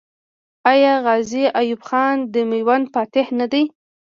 آیا غازي ایوب خان د میوند فاتح نه دی؟